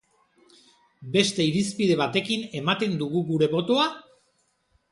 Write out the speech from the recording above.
Beste irizpide batekin ematen dugu gure botoa?